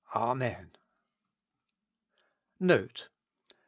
Amen. NOTE.